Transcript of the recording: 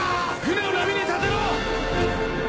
船を波に立てろ！